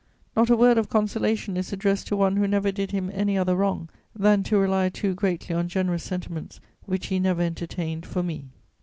Not a word of consolation is addressed to one who never did him any other wrong than to rely too greatly on generous sentiments which he never entertained for me.